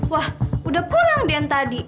wah udah pulang den tadi